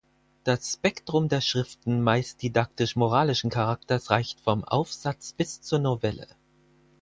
Das Spektrum der Schriften meist didaktisch-moralischen Charakters reicht vom Aufsatz bis zur Novelle.